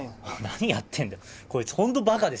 何やってんだよ。